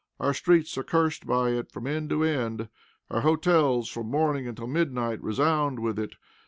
Our streets are cursed by it from end to end. Our hotels, from morning until midnight, resound with it.